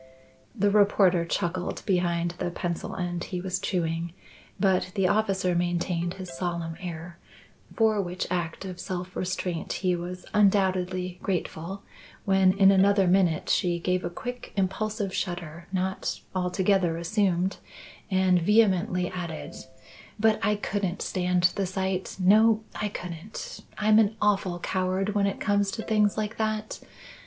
The reporter chuckled behind the pencil end he was chewing, but the officer maintained his solemn air, for which act of self restraint he was undoubtedly grateful when in another minute she gave a quick impulsive shudder not altogether assumed, and vehemently added: "But I couldn't stand the sight; no, I couldn't! I'm an awful coward when it comes to things like that.